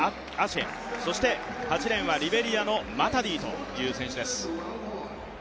そして、８レーンはリベリアのマタディという選手です。